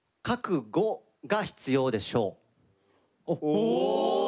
お！